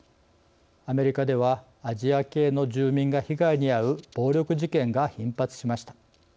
アメリカではアジア系の住民が被害に遭う暴力事件が頻発しました。